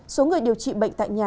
số người điều trị bệnh tại nhà